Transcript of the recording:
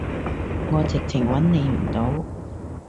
我直情揾你唔到